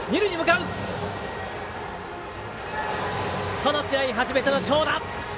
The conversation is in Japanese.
この試合、初めての長打。